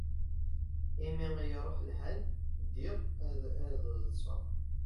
Imi ay iṛuḥ lḥal, ddiɣ ad ḍḍseɣ.